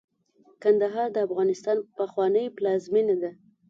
کندهار د افغانستان پخوانۍ پلازمېنه ده.